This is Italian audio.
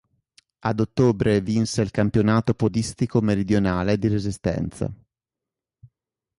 Ad ottobre vinse il Campionato Podistico Meridionale di resistenza.